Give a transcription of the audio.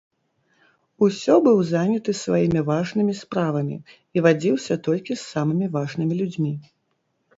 Усё быў заняты сваімі важнымі справамі і вадзіўся толькі з самымі важнымі людзьмі.